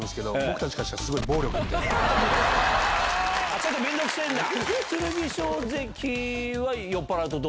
ちょっと面倒くせぇんだ。